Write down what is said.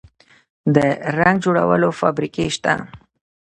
د رنګ جوړولو فابریکې شته